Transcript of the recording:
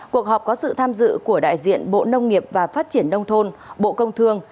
cuộc họp có sự tham dự của đại diện bộ nông nghiệp và phát triển nông thôn bộ công thương